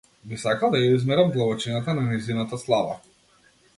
Би сакал да ја измерам длабочината на нејзината слава.